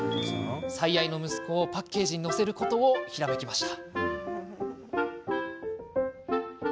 最愛の息子をパッケージに載せることをひらめきました。